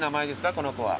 この子は。